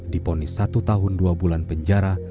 diponis satu tahun dua bulan penjara